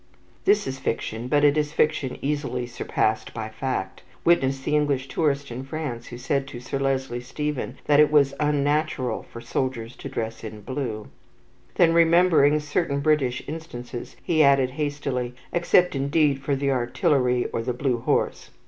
This is fiction, but it is fiction easily surpassed by fact, witness the English tourist in France who said to Sir Leslie Stephen that it was "unnatural" for soldiers to dress in blue. Then, remembering certain British instances, he added hastily: "Except, indeed, for the Artillery, or the Blue Horse."